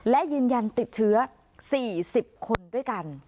และยืนยันติดเชื้อ๔๐คนด้วยกัน